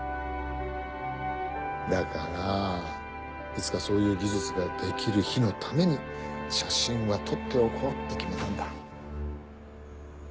だからいつかそういう技術ができる日のために写真は取っておこうって決めたんだ。